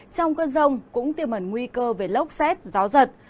trong cơn rông cũng tiêu mẩn nguy cơ về lốc xét gió giật